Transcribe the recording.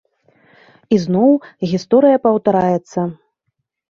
І зноў гісторыя паўтараецца.